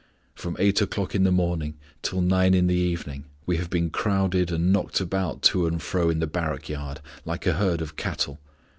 From 8 o'clock in the morning till 9 in the evening we have been crowded and knocked about to and fro in the barrack yard, like a herd of cattle.